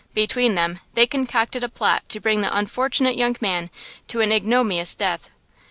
Between them they concocted a plot to bring the unfortunate young man to an ignominious death.